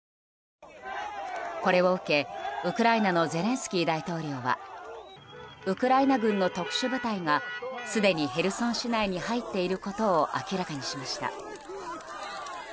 これを受け、ウクライナのゼレンスキー大統領はウクライナ軍の特殊部隊がすでに、ヘルソン市内に入っていることを明らかにしました。